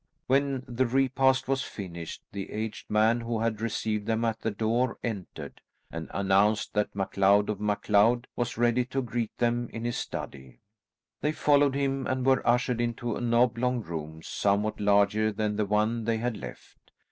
When the repast was finished the aged man who had received them at the door entered and announced that MacLeod of MacLeod was ready to greet them in his study. They followed him and were ushered into an oblong room somewhat larger than the one they had left.